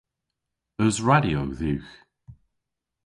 Eus radyo dhywgh?